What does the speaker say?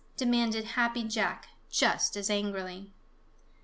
demanded Happy Jack, just as angrily.